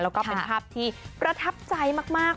แล้วก็เป็นภาพที่ประทับใจมาก